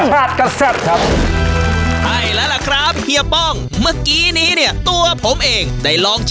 ยังแซ่บยูหมั้ยของแบบนี้มันไม่ลอง